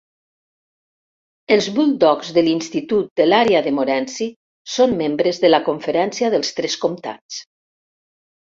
Els Bulldogs de l'Institut de l'àrea de Morenci són membres de la Conferència dels tres comtats.